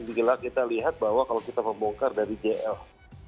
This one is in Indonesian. jika kita lihat bahwa kalau kita membongkar dari gl